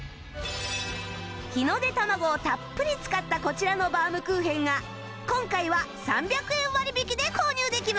日の出たまごをたっぷり使ったこちらのバームクーヘンが今回は３００円割引で購入できます